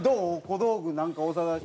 小道具なんか長田。